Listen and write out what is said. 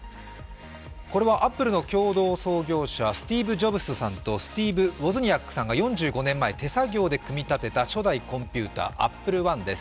これはアップルの共同創業者、スティーブ・ジョブズさんとスティーブ・ウォズニアックさんが４５年前手作業で組み立てた初代コンピューターＡｐｐｌｅ−１です。